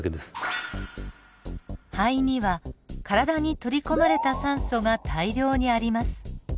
肺には体に取り込まれた酸素が大量にあります。